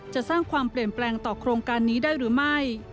จะสร้างความเปลี่ยนแปลงต่อโครงการนี้ได้หรือไม่